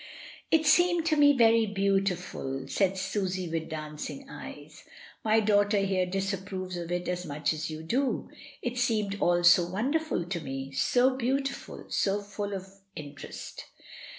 "It seemed to me very beautiful," said Susy, with dancing eyes. "My daughter here disapproves of it as much as you do. It seemed all so wonder ful to me— so beautiful, so full of interest."